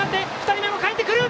２人目もかえってくる！